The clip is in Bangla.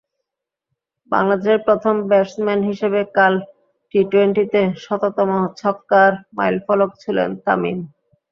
বাংলাদেশের প্রথম ব্যাটসম্যান হিসেবে কাল টি-টোয়েন্টিতে শততম ছক্কার মাইলফলক ছুঁলেন তামিম।